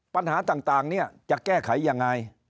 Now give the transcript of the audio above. ปัญหาต่างเนี่ยจะแก้ไขยังไง